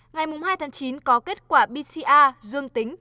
ngày hai tháng chín có kết quả bca dương tính